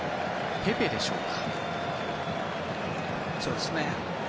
ペペでしょうか。